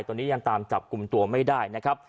ตอนนี้ยังตามจับกลุ่มตัวไม่ได้นะครับ